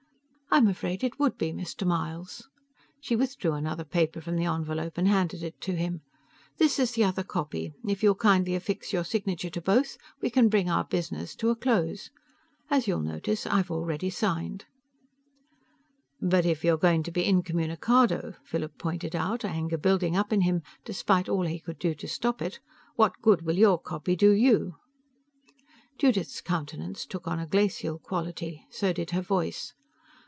"I'm afraid it would be, Mr. Myles." She withdrew another paper from the envelope and handed it to him. "This is the other copy. If you'll kindly affix your signature to both, we can bring our business to a close. As you'll notice, I've already signed." "But if you're going to be incommunicado," Philip pointed out, anger building up in him despite all he could do to stop it, "what good will your copy do you?" Judith's countenance took on a glacial quality. So did her voice.